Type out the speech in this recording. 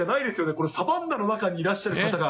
これ、サバンナの中にいらっしゃる方が。